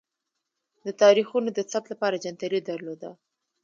د تاریخونو د ثبت لپاره جنتري درلوده.